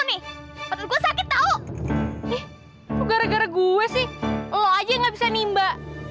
ih kok gara gara gue sih lo aja yang gak bisa nimba